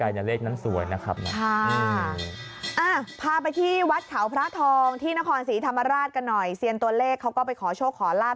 มันเยอะแล้วเกินใช่แลพไว้กี่วัดเธาพระทองที่นครศรีธรรมราชกันหน่อยเซียนตัวเลขเขาก็ไปขอโชคขอลาบ